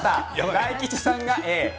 大吉さんがＡ。